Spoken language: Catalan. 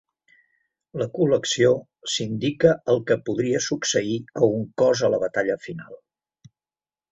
La col·lecció s'indica el que podria succeir a un cos a la batalla final.